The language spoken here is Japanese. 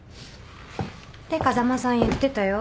って風間さん言ってたよ。